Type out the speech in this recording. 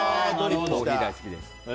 大好きです。